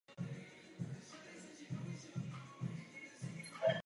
Autorsky se podílel na několika divadelních hrách a písňových textech.